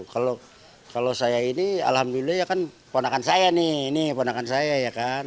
kalau saya ini alhamdulillah ya kan ponakan saya nih ini ponakan saya ya kan